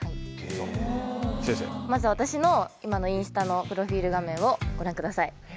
まず私の今のインスタのプロフィール画面をご覧ください。